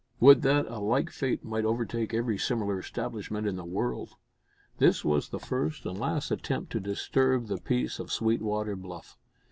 Would that a like fate might overtake every similar establishment in the world! This was the first and last attempt to disturb the peace of Sweetwater Bluff.